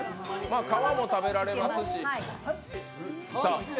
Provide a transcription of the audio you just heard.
皮も食べられますし。